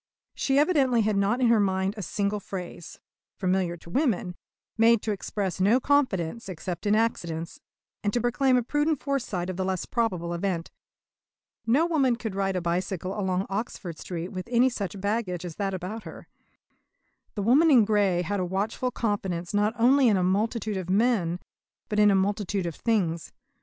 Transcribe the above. She evidently had not in her mind a single phrase, familiar to women, made to express no confidence except in accidents, and to proclaim a prudent foresight of the less probable event. No woman could ride a bicycle along Oxford Street with any such baggage as that about her. The woman in grey had a watchful confidence not only in a multitude of men but in a multitude of things.